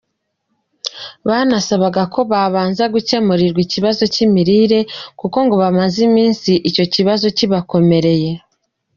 Banasabaga ko babanza gukemurirwa ikibazo cy’imirire kuko ngo bamaze iminsi icyo kibazo kibakomereye.